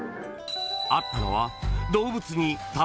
［あったのは］